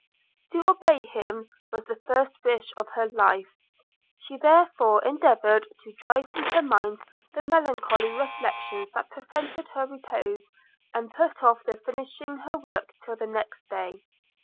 To obey him, was the first wish of her life; she therefore endeavoured to drive from her mind the melancholy reflections that prevented her repose, and put off the finishing her work till the next day.